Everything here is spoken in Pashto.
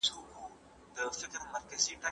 انا د څاښت په لمانځه ولاړه ده.